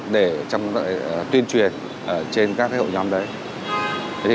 để tuyên truyền trên các hội nhóm đấy